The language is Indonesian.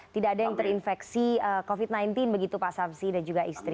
tidak ada yang terinfeksi covid sembilan belas begitu pak samsi dan juga istri